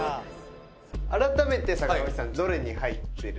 改めて坂上さんどれに入ってるって？